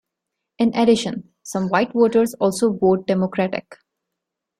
In addition, some white voters also vote Democratic.